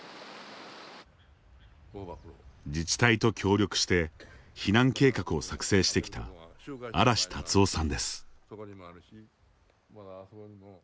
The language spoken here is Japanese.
自治体と協力して避難計画を作成してきた嵐辰夫さんです。